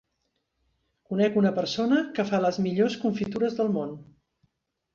Conec una persona que fa les millors confitures del món.